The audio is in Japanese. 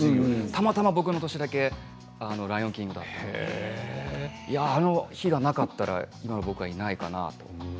たまたま僕の年だけ「ライオンキング」だったんであの日がなかったら僕はいないかなと思って。